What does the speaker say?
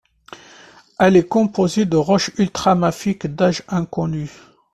Elle est composée de roche ultramafique d'âge inconnu.